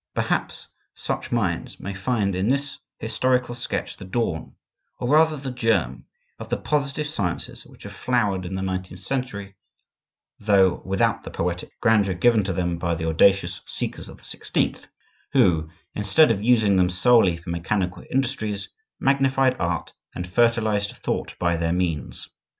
Perhaps such minds may find in this historical sketch the dawn, or rather the germ, of the positive sciences which have flowered in the nineteenth century, though without the poetic grandeur given to them by the audacious Seekers of the sixteenth, who, instead of using them solely for mechanical industries, magnified Art and fertilized Thought by their means.